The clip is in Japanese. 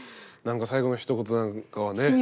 なんか最後のひと言なんかはね。